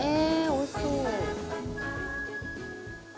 おいしそう」